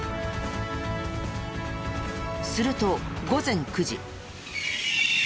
すると午前９時。